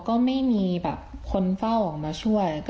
มีแต่เสียงตุ๊กแก่กลางคืนไม่กล้าเข้าห้องน้ำด้วยซ้ำ